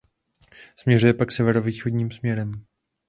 Směřuje pak severovýchodním směrem.